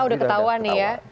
ah udah ketawa nih ya